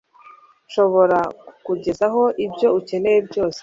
Nshobora kukugezaho ibyo ukeneye byose